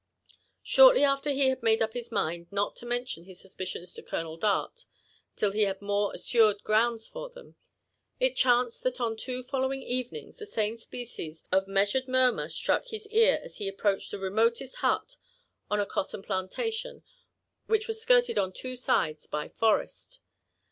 Shortly after he had made up his miud not to mention his suspicions to Colonel Dart till he had more assured grounds for them, it chanced that on two following evenings the same species of measured murmur struck his ear as he approached the remotest hut on a cotton plan tation which was skirted on two sides by forest.